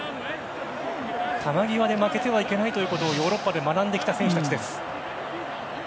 球際で負けてはいけないということを、ヨーロッパで学んできた選手たちです。